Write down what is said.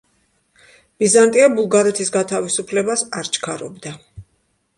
ბიზანტია ბულგარეთის გათავისუფლებას არ ჩქარობდა.